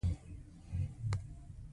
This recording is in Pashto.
خو زما د یار شهرت ننګیال پخه خبره ده.